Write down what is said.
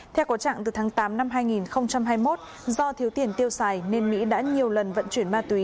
theo có trạng từ tháng tám năm hai nghìn hai mươi một do thiếu tiền tiêu xài nên mỹ đã nhiều lần vận chuyển ma túy